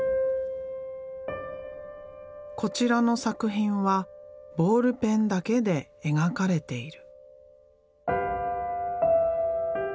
こちらの作品はボールペンだけで描かれている。